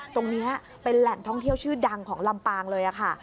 ตรงนี้เป็นแหล่งท่องเที่ยวชื่อดังของลำปางเลยค่ะ